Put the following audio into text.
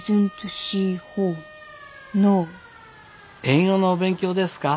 英語のお勉強ですか？